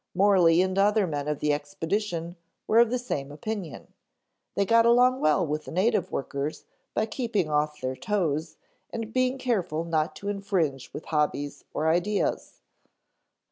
Morley and other men of the expedition were of the same opinion, they got along well with the native workers by keeping off their toes and being careful not to infringe with hobbies or ideas.